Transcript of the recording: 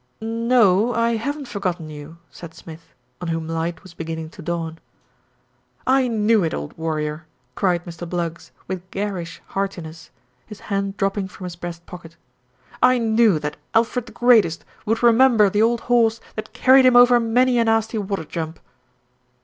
"No, I haven't forgotten you," said Smith, on whom light was beginning to dawn. "I knew it, old warrior!" cried Mr. Bluggs with garish heartiness, his hand dropping from his breast pocket. "I knew that Alfred the Greatest would re member the old horse that carried him over many a nasty water jump."